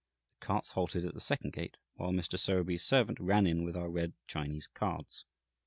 The carts halted at the second gate while Mr. Sowerby's servant ran in with our red Chinese cards.